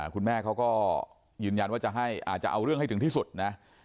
คุณแม่เขาก็ยืนยันว่าจะเอาเรื่องให้ถึงที่สุดนะ